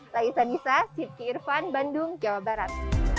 laisa nisa siti irfan bandung jawa barat